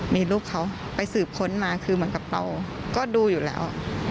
มีลูกเขาไปสืบค้นมาคือเหมือนกับเราก็ดูอยู่แล้ว